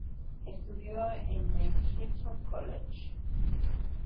Estudió en el Eton College.